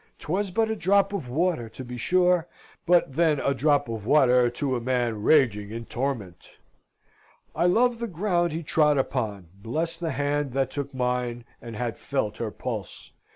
'Twas but a drop of water, to be sure; but then a drop of water to a man raging in torment. I loved the ground he trod upon, blessed the hand that took mine, and had felt her pulse.